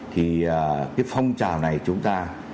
thì cái phong trào này chúng ta